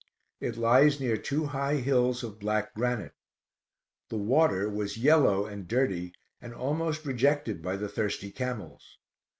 It lies near two high hills of black granite. The water was yellow and dirty, and was almost rejected by the thirsty camels.